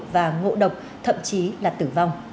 và ngộ độc thậm chí là tử vong